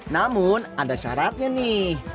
namun ada syaratnya nih